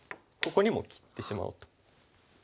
ここにも切ってしまうと。